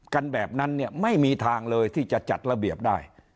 กันแบบนั้นเนี่ยไม่มีทางเลยที่จะจัดระเบียบได้